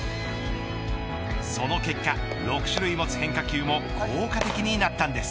その結果、６種類持つ変化球も効果的になったんです。